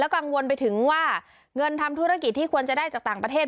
กังวลไปถึงว่าเงินทำธุรกิจที่ควรจะได้จากต่างประเทศ